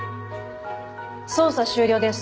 捜査終了です。